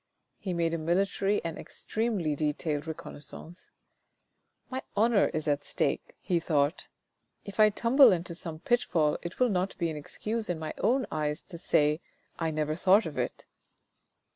He made a military and extremely detailed reconnaissance. " My honour is at stake," he thought. " If I tumble into some pitfall it will not be an excuse in my own eyes to say, * I never thought of it.'